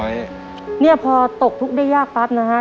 เนี่ยพอตกทุกข์ได้ยากปั๊บนะฮะ